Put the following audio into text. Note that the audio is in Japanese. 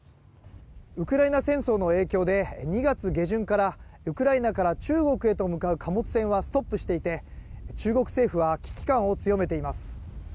ウクライナ戦争の影響で２月下旬からウクライナから中国へと向かう貨物船はストップしていて、中国政府は危機感を強めています。